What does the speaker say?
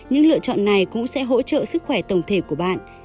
những lựa chọn này cũng sẽ hỗ trợ sức khỏe tổng thể của bạn